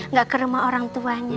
nggak ke rumah orang tuanya